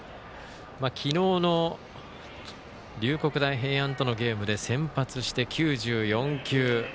昨日の龍谷大平安とのゲームで先発して、９４球。